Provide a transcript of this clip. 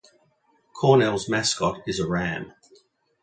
Cornell's mascot is a ram.